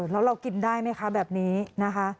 แล้วเรากินได้ไหมคะแบบนี้นะคะ